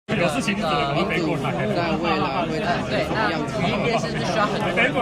民主在未來會長成什麼樣子？